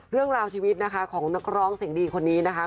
เรื่องราวชีวิตนะคะของนักร้องเสียงดีคนนี้นะคะ